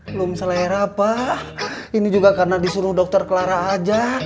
belum selera pak ini juga karena disuruh dokter clara aja